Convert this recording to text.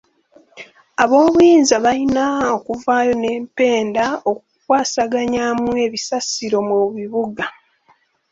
Ab'obuyinza balina okuvaayo n'empenda okukwasaganyaamu ebisasiro mu bibuga.